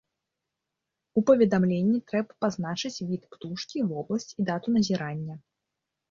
У паведамленні трэба пазначыць від птушкі, вобласць і дату назірання.